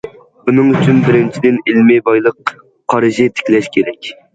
بۇنىڭ ئۈچۈن بىرىنچىدىن، ئىلمىي بايلىق قارىشى تىكلەش كېرەك.